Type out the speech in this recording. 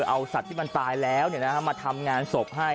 เอาสัตว์ที่มันตายแล้วมาทำงานศพให้